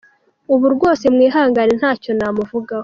Ubu rwose mwihangane nta cyo namuvugaho.